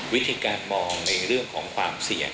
วิธีการมองในเรื่องของความเสี่ยง